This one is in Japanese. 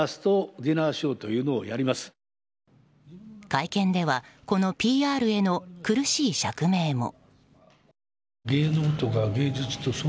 会見では、このＰＲへの苦しい釈明も。